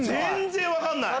全然分かんない！